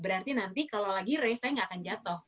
berarti nanti kalau lagi latihan saya gak akan jatoh